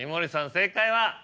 正解は？